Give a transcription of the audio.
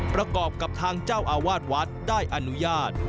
ประกอบกับทางเจ้าอาวาสวัดได้อนุญาต